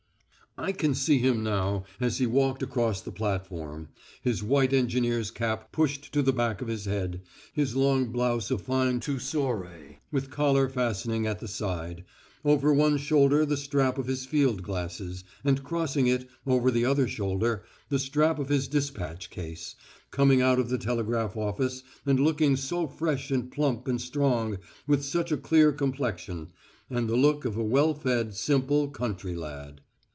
I can see him now as he walked across the platform his white engineer's cap pushed to the back of his head; his long blouse of fine tussore, with collar fastening at the side; over one shoulder the strap of his field glasses, and crossing it, over the other shoulder, the strap of his dispatch case coming out of the telegraph office and looking so fresh and plump and strong with such a clear complexion, and the look of a well fed, simple, country lad.